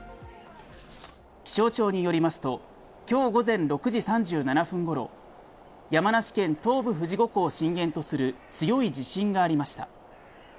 気象庁によりますと今日午前６時３７分頃、山梨県東部・富士五湖を震源とする強い地震がありました。